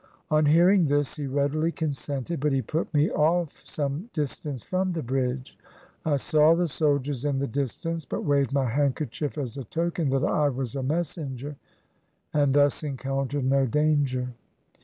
On hearing this he readily consented, but he put me off some distance from the bridge. I saw the soldiers in the distance, but waved my handkerchief as a token that I was a messenger, and thus encountered no danger.